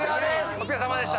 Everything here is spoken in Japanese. お疲れさまでした。